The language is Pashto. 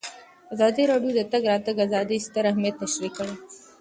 ازادي راډیو د د تګ راتګ ازادي ستر اهميت تشریح کړی.